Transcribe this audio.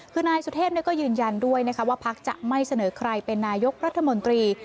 คือนายสุเทพก็ยืนยันด้วยนะคะว่าพักจะไม่เสนอใครเป็นนายกรัฐมนตรี